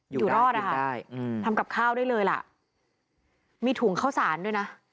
อยู่รอดอ่ะค่ะใช่อืมทำกับข้าวได้เลยล่ะมีถุงข้าวสารด้วยนะ